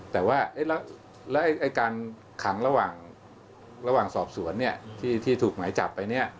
แต่ว่าการขับสอบสวนที่ถูกไหมจับไป